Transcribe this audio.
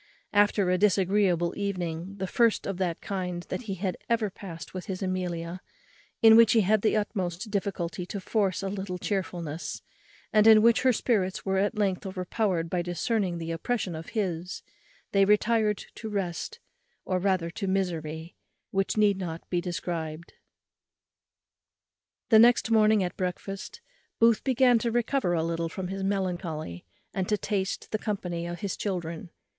After a disagreeable evening, the first of that kind that he had ever passed with his Amelia, in which he had the utmost difficulty to force a little chearfulness, and in which her spirits were at length overpowered by discerning the oppression on his, they retired to rest, or rather to misery, which need not be described. The next morning at breakfast, Booth began to recover a little from his melancholy, and to taste the company of his children.